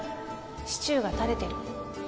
シチューが垂れてる